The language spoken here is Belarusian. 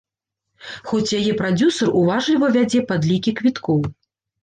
Хоць яе прадзюсар уважліва вядзе падлікі квіткоў.